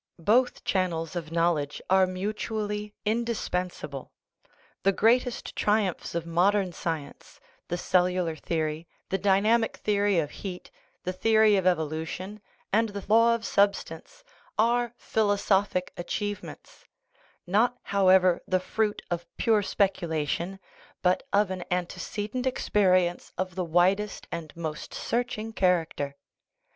Both channels of knowledge are mutual ly indispensable. The greatest triumphs of modern science the cellular theory, the dynamic theory of heat, the theory of evolution, and the law of substance are philosophic achievements ; not, however, the fruit of pure speculation, but of an antecedent experience of the widest and most searching character.